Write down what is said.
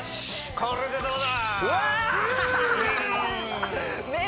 これでどうだー！